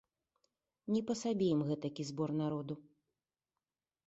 Ні па сабе ім гэтакі збор народу.